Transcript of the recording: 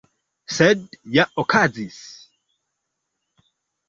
Sed ja okazis!